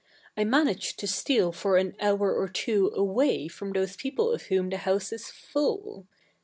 I manage to steal for a?t hour or tivo away fi om those people of whom the house is full.